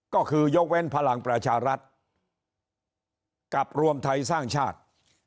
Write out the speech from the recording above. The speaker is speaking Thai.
ก็คือยกเว้นพลังประชารัฐกับรวมไทยสร้างชาติ